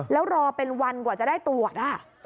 แล้วรอเป็นวันกว่าจะได้ตรวจ